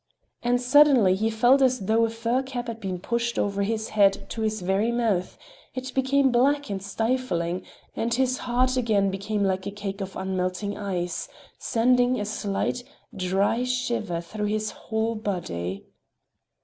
And suddenly he felt as though a fur cap had been pushed over his head to his very mouth—it became black and stifling, and his heart again became like a cake of unmelting ice, sending a slight, dry shiver through his whole body.